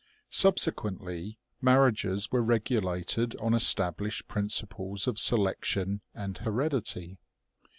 Subsequently, marriages were regulated on estab lished principles of selection and heredity.